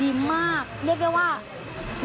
เรียกว่าลูกค้าร้อยเปอร์เซ็นต์เขาไม่เคยเจอที่ไหนมาก่อนเลย